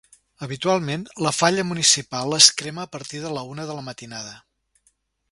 Habitualment, la falla municipal es crema a partir de la una de la matinada.